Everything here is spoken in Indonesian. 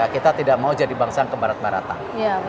kita tidak mau jadi bangsa yang ke barat baratan